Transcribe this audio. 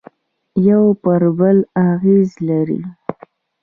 یوه پر بل اغېز لري